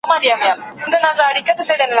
شیکاګو کې پر ناروغانو څېړنه شوې ده.